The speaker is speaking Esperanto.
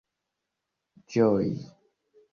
ĝoji